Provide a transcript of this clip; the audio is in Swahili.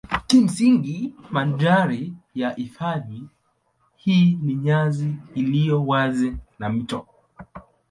Kimsingi mandhari ya hifadhi hii ni nyasi iliyo wazi na mito.